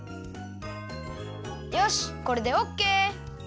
よしこれでオッケー！